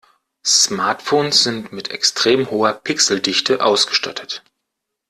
Smartphones sind mit extrem hoher Pixeldichte ausgestattet.